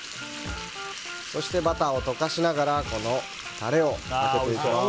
そして、バターを溶かしながらタレをかけていきます。